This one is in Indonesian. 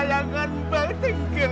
bajanya kesayangan mbak tenggelam